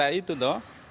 ya kata itu toh